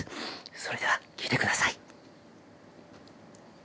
それでは聴いてください